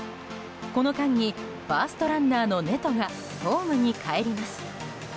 この間にファーストランナーのネトがホームにかえります。